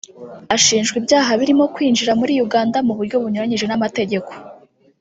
ashinjwa ibyaha birimo kwinjira muri Uganda mu buryo bunyuranyije n’amategeko